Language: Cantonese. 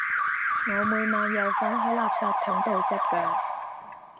我每晚有份喺垃圾筒度執㗎